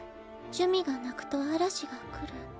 「珠魅が泣くと嵐が来る」。